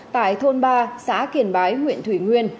tại thôn ba xã kiền bái huyện thủy nguyên